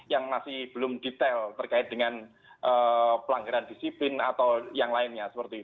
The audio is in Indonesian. yang masih belum detail terkait dengan pelanggaran disiplin atau yang lainnya